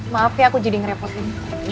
maaf ya aku jadi ngerepotin